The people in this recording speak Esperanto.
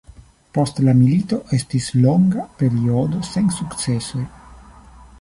Post la milito, estis longa periodo sen sukcesoj.